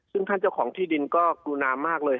ซึ่งท่านเจ้าของที่ดินก็กรุณามากเลย